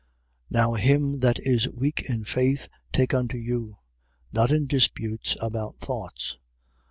14:1. Now him that is weak in faith, take unto you: not in disputes about thoughts.